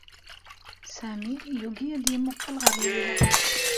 Sami yugi ad yemmuqqel ɣer Layla.